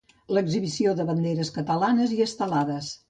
L'exhibició de banderes catalanes i estelades.